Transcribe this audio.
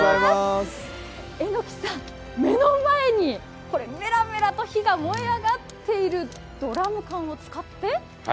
榎さん、目の前にメラメラと火が燃え上がっているドラム缶を使って？